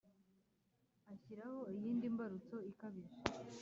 Ashyiraho iyindi mbarutso ikabije !